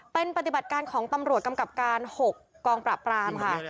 เป็นปฏิบัติการของตำรวจกำกับการ๖กองปราบปรามค่ะ